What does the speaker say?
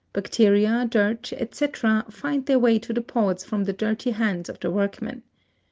Bacteria, dirt, etc., find their way to the pods from the dirty hands of the workmen.